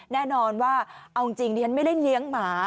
แน่นอนว่าเอาจริงดิฉันไม่ได้เลี้ยงหมา